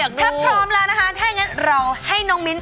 ถ้าพร้อมแล้วถ้านั้นเราให้น้องมินไวล์